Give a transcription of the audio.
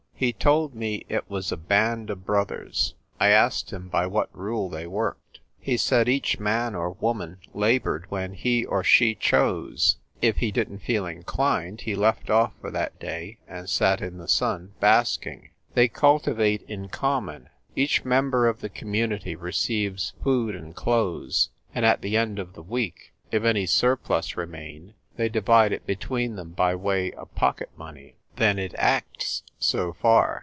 He told me it was a band of brothers. I asked him by what rule they worked. He said each man or woman laboured when he or she chose ! If he didn't feel inclined he left off for that day and sat in the sun, basking. They cultivate in common ; each member of the community receives food and clothes ; and at the end of the week, if any surplus remain, they divide it between them by way of pocket money." " Then it acts, so far."